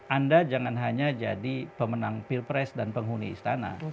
anda jangan hanya jadi pemenang pilpres dan penghuni istana